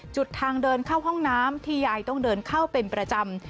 ทางเดินเข้าห้องน้ำที่ยายต้องเดินเข้าเป็นประจำ